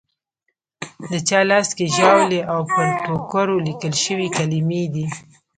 د چا لاس کې ژاولي او پر ټوکرو لیکل شوې کلیمې دي.